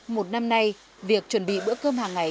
một năm nay việc chuẩn bị bữa cơm hàng ngày